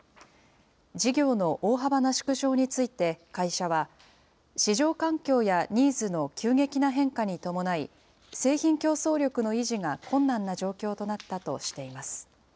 事業の大幅な縮小について会社は、市場環境やニーズの急激な変化に伴い、製品競争力の維持が困難な状況となったとしています。